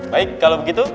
baik kalau begitu